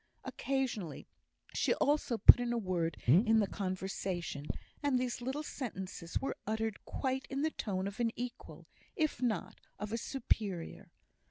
Occasionally she also put in a word in the conversation, and these little sentences were uttered quite in the tone of an equal, if not of a superior.